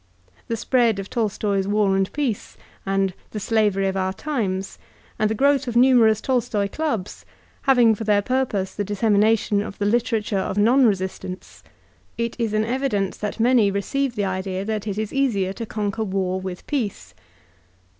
The spread of Tolstoy's "War and Peace" and The SlaTery of Our Tunes,'* and the growth of numerooa The Making op an Anarchist 163 Tokloy clubs having for thdr purpose the dissemination of the literature of non resistance, b an evidence that many receive the idea that it is easier to conquer war with peace.